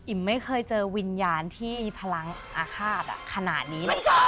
อิ่มไม่เคยเจอวิญญาณที่พลังอาฆาตขนาดนี้